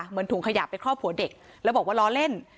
ถุงขยะไปครอบหัวเด็กแล้วบอกว่าล้อเล่น